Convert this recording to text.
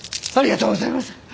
ありがとうございます！